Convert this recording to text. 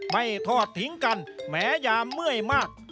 ไม่ทอดทิ้งกันแม้ยาเมื่อยมาก